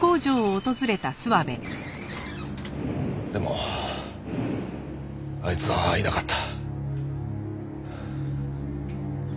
でもあいつはいなかった。